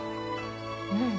うん。